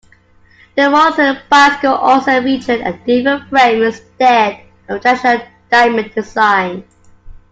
The Moulton bicycle also featured a different frame instead of the traditional diamond design.